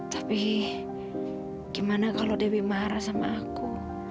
tapi gimana kalau dewi marah sama aku